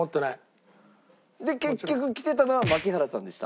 で結局来てたのは槙原さんでした。